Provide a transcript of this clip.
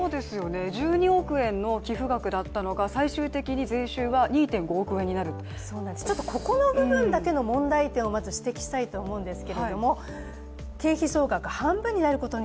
１２億円の寄付額だったのが最終的に税収が２．５億円になるここの部分だけの問題点をまず指摘したいと思います。